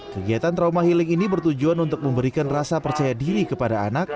kegiatan trauma healing ini bertujuan untuk memberikan rasa percaya diri kepada anak